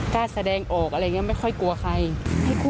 กล้าแสดงอกอะไรยังไม่ค่อยกลัวใคร